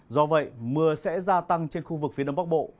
do vậy mưa sẽ gia tăng trên khu vực phía đông bắc bộ